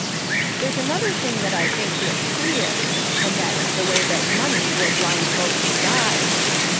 There's another thing I think is queer, and that is the way that money will blind folks' eyes.